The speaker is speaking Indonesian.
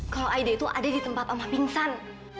kalau aida itu ada di tempat allah pingsan